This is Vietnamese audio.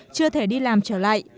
chưa thể đi làm trở lại